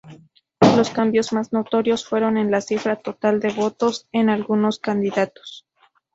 Los cambios más notorios fueron en la cifra total de votos en algunos candidatos.